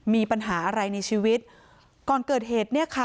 มีปัญหาอะไรในชีวิตก่อนเกิดเหตุเนี่ยค่ะ